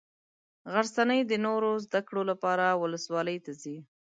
غرڅنۍ د نورو زده کړو لپاره ولسوالي ته ځي.